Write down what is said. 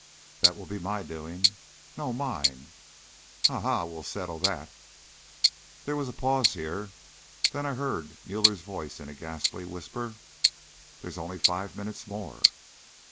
"That will be my doing." "No, mine." "Ha, ha! we'll settle that." There was a pause here. Then I heard Müller's voice in a ghastly whisper, "There's only five minutes more."